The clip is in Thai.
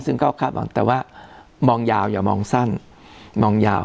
ซึ่งก็คาววางแต่ว่ามองยาวอย่ามองสั้น